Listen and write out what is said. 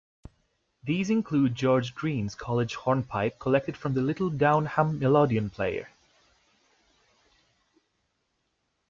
These include "George Green's College Hornpipe", collected from the Little Downham Melodeon player.